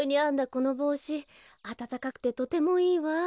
このぼうしあたたかくてとてもいいわ。